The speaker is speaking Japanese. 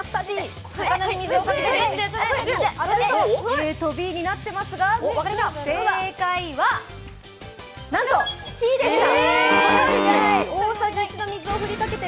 ＡとＢになっていますが正解はなんとＣでした！